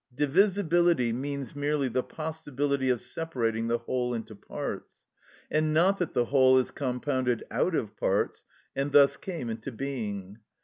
Divisibility means merely the possibility of separating the whole into parts, and not that the whole is compounded out of parts and thus came into being.